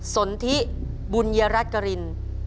สนทิบุญยรัฐกริน